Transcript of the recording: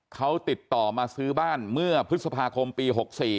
เขาติดต่อมาซื้อบ้านเมื่อพฤษภาคมปี๖๔